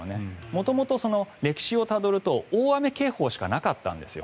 元々、歴史をたどると大雨警報しかなかったんです。